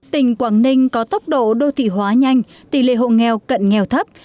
tỉnh quảng ninh có tốc độ đô thị hóa nhanh tỷ lệ hộ nghèo cận nghèo thấp